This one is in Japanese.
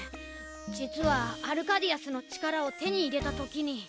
実はアルカディアスの力を手に入れたときに。